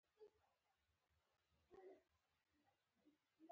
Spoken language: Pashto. په والله بالله که یې غزنۍ سیمه او سرحد لیدلی وي.